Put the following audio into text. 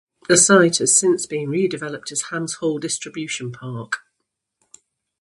The site has since been redeveloped as Hams Hall Distribution Park.